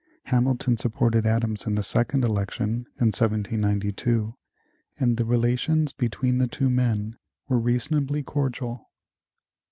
Hamilton supported Adams in the second election, in 1792, and the relations between the two men were reasonably cordial.